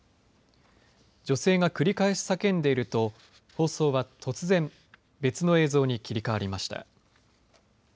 女性が繰り返し叫んでいると放送は突然、別の映像に切り替わりました。